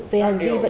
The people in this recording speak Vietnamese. tại nơi ở